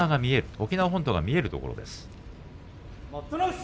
沖縄本島が見えるところです。